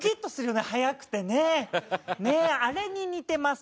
あれに似てます